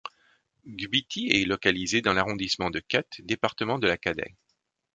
Gbiti est localisé dans l'arrondissement de Kette, département de la Kadey.